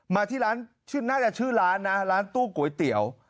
มาที่ร้านชื่อน่าจะชื่อร้านนะร้านตู้ก๋วยเตี๋ยว